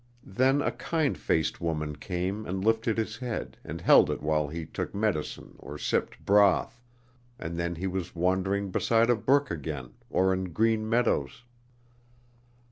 Then a kind faced woman came and lifted his head and held it while he took medicine or sipped broth, and then he was wandering beside a brook again, or in green meadows.